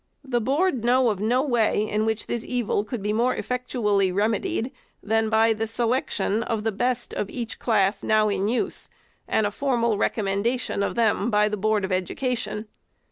The Board know of no way, in which this evil could be more effectually remedied, than by the selection of the best of each class now in use, and a formal recom mendation of them by the Board of Education.